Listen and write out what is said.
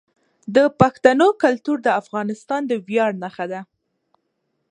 د پښتنو کلتور د افغانستان د ویاړ نښه ده.